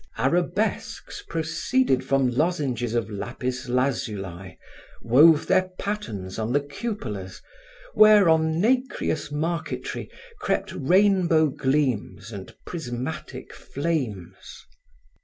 Arabesques proceeded from lozenges of lapis lazuli, wove their patterns on the cupolas where, on nacreous marquetry, crept rainbow gleams and prismatic flames.